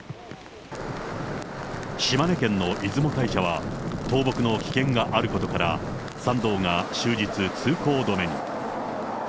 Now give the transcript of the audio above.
島根県の出雲大社は、倒木の危険があることから、参道が終日、通行止めに。